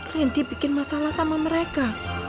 randy bikin masalah sama mereka